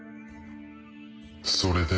それで？